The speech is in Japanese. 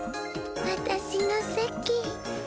わたしのせき。